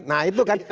nah itu kan